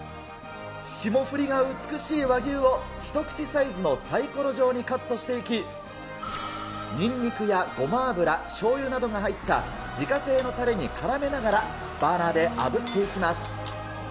霜降りが美しい和牛を一口サイズのサイコロ状にカットしていき、にんにくやごま油、しょうゆなどが入った自家製のたれにからめながら、バーナーであぶっていきます。